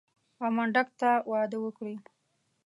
او منډک ته واده وکړي.